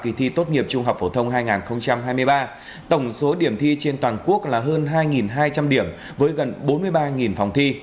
kỳ thi tốt nghiệp trung học phổ thông hai nghìn hai mươi ba tổng số điểm thi trên toàn quốc là hơn hai hai trăm linh điểm với gần bốn mươi ba phòng thi